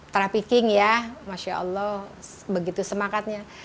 trafficking ya masya allah begitu semangatnya